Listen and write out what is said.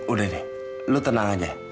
udah deh lu tenang aja